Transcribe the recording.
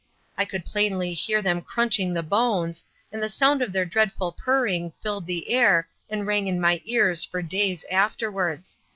I could plainly hear them crunching the bones, and the sound of their dreadful purring filled the air and rang in my ears for days afterwards.